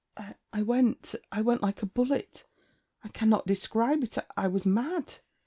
I went... I went like a bullet: I cannot describe it; I was mad.